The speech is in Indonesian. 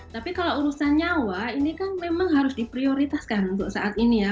tapi kalau urusan nyawa ini kan memang harus diprioritaskan untuk saat ini ya